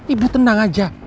ibu tenang aja